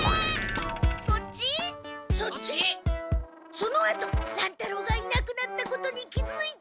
そのあと乱太郎がいなくなったことに気づいて。